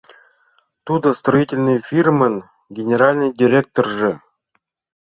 — Тудо строительный фирмын генеральный директоржо.